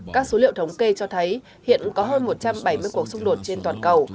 các số liệu thống kê cho thấy hiện có hơn một trăm bảy mươi cuộc xung đột trên toàn cầu